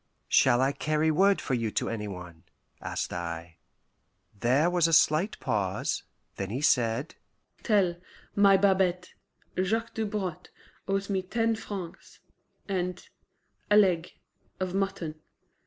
"Shall I carry word for you to any one?" asked I. There was a slight pause; then he said, "Tell my Babette Jacques Dobrotte owes me ten francs and a leg of mutton.